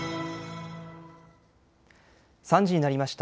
３時になりました。